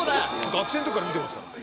学生の時から見てますから。